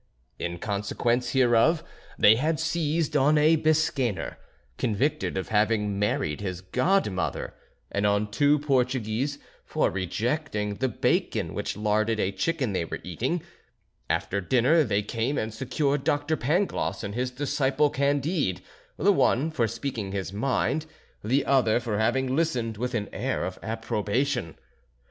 In consequence hereof, they had seized on a Biscayner, convicted of having married his godmother, and on two Portuguese, for rejecting the bacon which larded a chicken they were eating; after dinner, they came and secured Dr. Pangloss, and his disciple Candide, the one for speaking his mind, the other for having listened with an air of approbation.